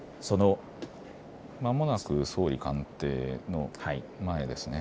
まもなく総理官邸の前ですね。